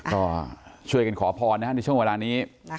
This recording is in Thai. ก็ช่วยกันขอพรตีช่วงเวลานี้